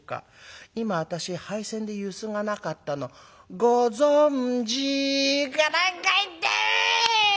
今私杯洗でゆすがなかったのご存じ？』か何か言って！